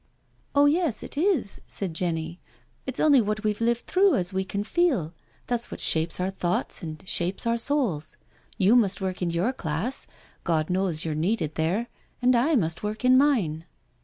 " Oh yes, it is," said Jenny. " It's only what we've lived through as we can feel — that's what shapes our thoughts and shapes our souls. You must work in your class, God knows you're needed there, and I must work in mine."